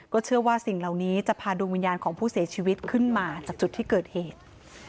เชื่อว่าสิ่งเหล่านี้จะพาดวงวิญญาณของผู้เสียชีวิตขึ้นมาจากจุดที่เกิดเหตุ